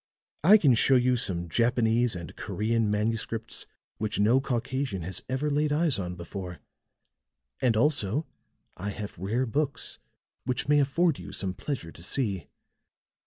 I can show you some Japanese and Korean manuscripts which no Caucasian has ever laid eyes on before; and also I have rare books which may afford you some pleasure to see.